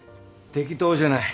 適当じゃない。